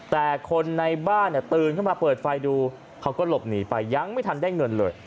แต่คนในบ้านตื่นเข้ามาเปิดไฟดูเขาก็หลบหนีไปยังไม่ทันได้เงินเลย